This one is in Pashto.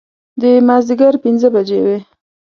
د مازدیګر پنځه بجې وې.